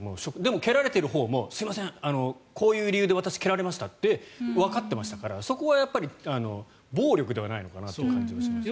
でも、蹴られているほうもすみません、私、こういう理由で私、蹴られましたってわかっていましたからそこは暴力ではないのかなという感じがします。